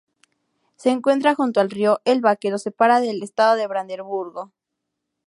Se encuentra junto al río Elba que lo separa del estado de Brandeburgo.